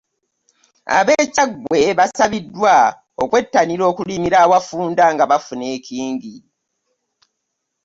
Ab'e Kyaggwe basabiddwa okwettanira okulimira awafunda nga bafuna ekingi.